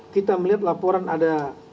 kita melihat laporan ada